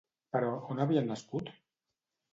Però, on havien nascut?